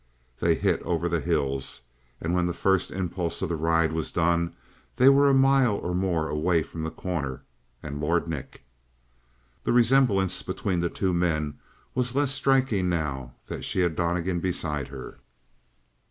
They hit over the hills, and when the first impulse of the ride was done they were a mile or more away from The Corner and Lord Nick. The resemblance between the two men was less striking now that she had Donnegan beside her.